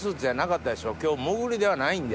今日潜りではないんで。